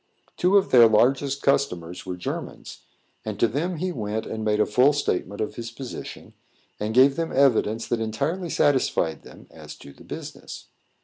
Two of their largest customers were Germans, and to them he went and made a full statement of his position, and gave them evidence that entirely satisfied them as to the business.